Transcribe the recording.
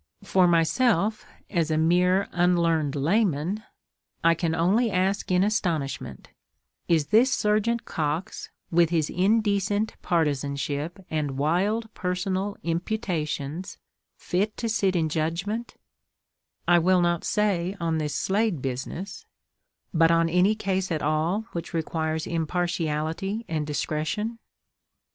For myself, as a mere unlearned layman, I can only ask in astonishment, Is this Serjeant Cox, with his indecent partizanship and wild personal imputations, fit to sit in judgment—I will not say on this Slade business—but on any case at all which requires impartiality and discretion?